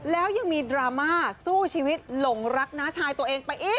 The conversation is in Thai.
แล้วยังมีดราม่าสู้ชีวิตหลงรักน้าชายตัวเองไปอีก